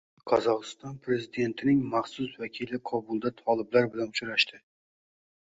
Qozog‘iston prezidentining maxsus vakili Kobulda toliblar bilan uchrashdi